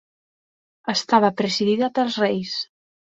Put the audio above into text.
Estava presidida pels reis.